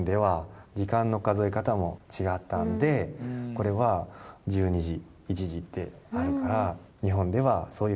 これは１２時１時であるから。